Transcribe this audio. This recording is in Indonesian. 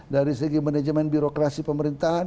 dari segi manajemen birokrasi pemerintahan